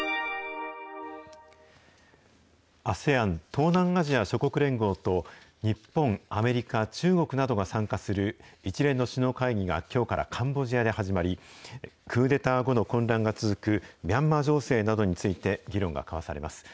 ＡＳＥＡＮ・東南アジア諸国連合と日本、アメリカ、中国などが参加する、一連の首脳会議がきょうからカンボジアで始まり、クーデター後の混乱が続くミャンマー情勢などについて議論が交わされます。